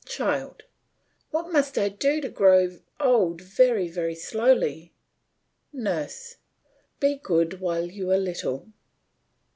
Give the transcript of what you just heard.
CHILD: What must I do to grow old very, very slowly? NURSE: Be good while you are little.